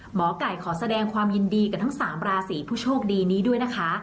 หมอไก่ขอแสดงความยินดีกับทั้ง๓ราศีผู้โชคดีนี้ด้วยนะคะ